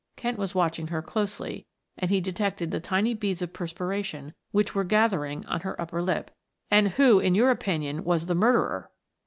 Kent was watching her closely and he detected the tiny beads of perspiration which were gathering on her upper lip. "And who, in your opinion, was the murderer?"